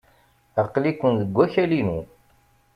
Aql-iken deg wakal-inu.